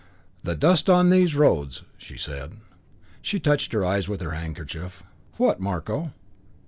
"The dust on these roads!" she said. She touched her eyes with her handkerchief. "What, Marko?"